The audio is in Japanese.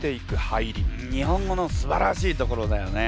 日本語のすばらしいところだよね。